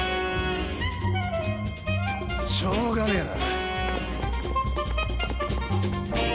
しょうがねえな。